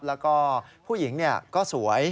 แล้วก็ผู้หญิงก็สวย